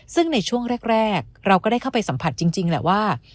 ซึ่งในช่วงแรกเราก็ได้เข้าไปสัมผัสจริงแหละว่า